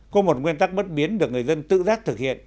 có một nguyên tắc bất biến được người dân tự giác thực hiện